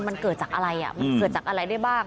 มันเกิดจากอะไรมันเกิดจากอะไรได้บ้าง